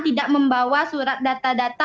tidak membawa surat data data